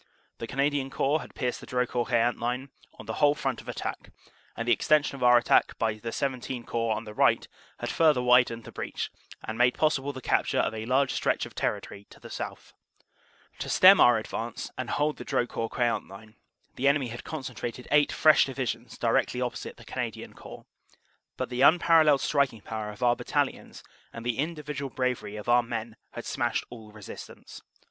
The Canadian Corps had pierced the Drocourt Queant line on the whole front of attack, and the extension of our attack by the XVII Corps on the right had further widened the breach and made possible the capture of a large stretch of territory to the south. 158 CANADA S HUNDRED DAYS "To stem our advance, and hold the Drocourt Queant line, the enemy had concentrated eight fresh divisions directly op posite the Canadian Corps, but the unparalleled striking power of our Battalions and the individual bravery of our men had smashed all resistance.